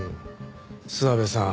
諏訪部さん